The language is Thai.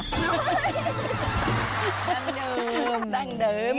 ดั้งเดิมดั้งเดิม